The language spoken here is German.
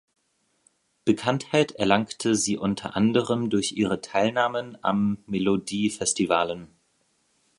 Bekanntheit erlangte sie unter anderem durch ihre Teilnahmen am Melodifestivalen.